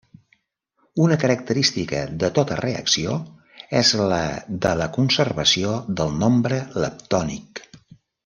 Una característica de tota reacció és la de la conservació del nombre leptònic.